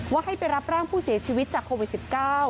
ให้ไปรับร่างผู้เสียชีวิตจากโควิด๑๙